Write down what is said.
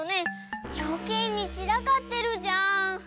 よけいにちらかってるじゃん。